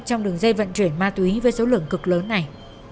trong đường dây vận chuyển ma túy với số lượng cực lớn này